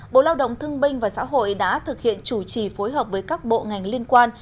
bộ lao động thương binh và xã hội đã thực hiện chủ trì phối hợp với các bộ ngành liên quan